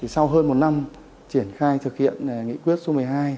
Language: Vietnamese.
sau hơn một năm triển khai thực hiện nghị quyết số một mươi hai